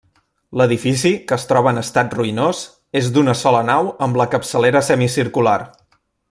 L'edifici, que es troba en estat ruïnós, és d'una sola nau amb la capçalera semicircular.